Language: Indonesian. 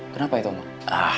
kenapa itu emang